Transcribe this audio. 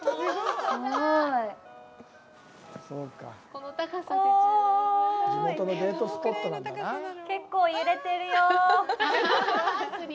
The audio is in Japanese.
おい、結構揺れてるよ。